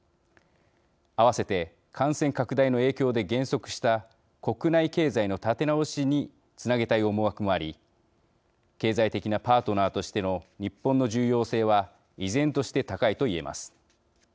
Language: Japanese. あわせて、感染拡大の影響で減速した国内経済の立て直しにつなげたい思惑もあり経済的なパートナーとしての日本の重要性は依然として高いと言えます。